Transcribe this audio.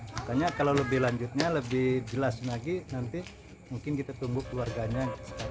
makanya kalau lebih lanjutnya lebih jelas lagi nanti mungkin kita tunggu keluarganya